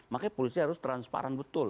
makanya polisi harus transparan betul